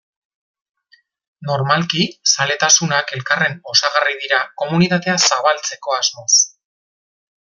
Normalki, zaletasunak elkarren osagarri dira komunitatea zabaltzeko asmoz.